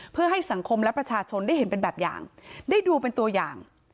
เพื่อให้สังคมและประชาชนได้เห็นเป็นแบบอย่างได้ดูเป็นตัวอย่าง